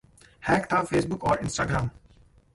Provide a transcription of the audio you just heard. Hack था Facebook और Instagram!